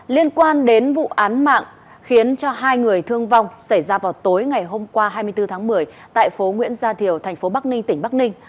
liên quan đến vụ án mạng khiến cho hai người thương vong xảy ra vào tối ngày hôm qua hai mươi bốn tháng một mươi tại phố nguyễn gia thiều thành phố bắc ninh tỉnh bắc ninh